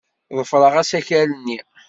Ḍefreɣ asakal-nni.